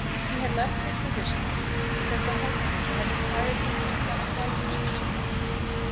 He had left his position at Eton because the Head master had required from him some slight change of practice.